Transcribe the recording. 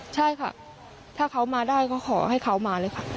ใช่ค่ะถ้าเขามาได้ก็ขอให้เขามาเลยค่ะ